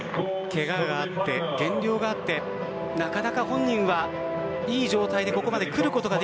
ケガがあって減量があってなかなか本人はいい状態でここまで来ることは